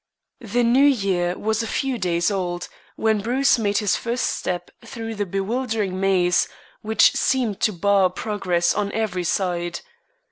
The new year was a few days old when Bruce made his first step through the bewildering maze which seemed to bar progress on every side.